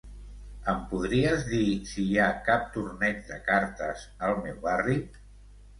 Em podries dir si hi ha cap torneig de cartes al meu barri?